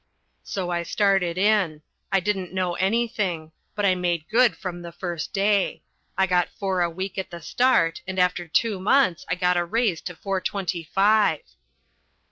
So I started in. I didn't know anything. But I made good from the first day. I got four a week at the start, and after two months I got a raise to four twenty five.